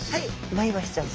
マイワシちゃん。